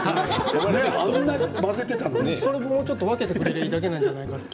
それを分けてくれればいいだけなんじゃないかと。